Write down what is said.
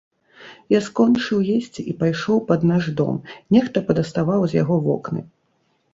Я скончыў есці і пайшоў пад наш дом, нехта падаставаў з яго вокны.